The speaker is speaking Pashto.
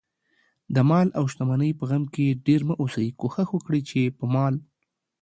دمال اوشتمنۍ په غم کې ډېر مه اوسئ، کوښښ وکړئ، چې په مال